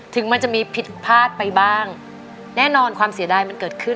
ถึงมันจะมีผิดพลาดไปบ้างแน่นอนความเสียดายมันเกิดขึ้น